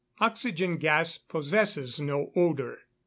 Oxygen gas possesses no odour.